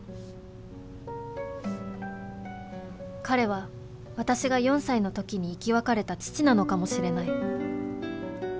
彼は私が４歳のときに生き別れた父なのかもしれない。